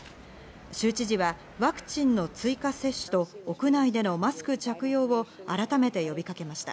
州知事はワクチンの追加接種と屋内でのマスク着用を改めて呼びかけました。